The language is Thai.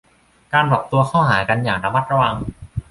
การปรับตัวเข้าหากันอย่างระมัดระวัง